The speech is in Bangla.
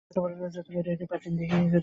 এটি একটি প্রাচীন দিঘি।